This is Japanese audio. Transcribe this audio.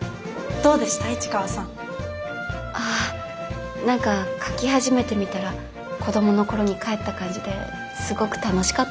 あ何か描き始めてみたら子どもの頃に返った感じですごく楽しかったです。